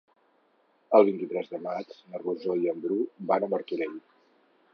El vint-i-tres de maig na Rosó i en Bru van a Martorell.